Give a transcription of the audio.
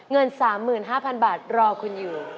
เงิน๓๕๐๐๐บาทรอคุณอยู่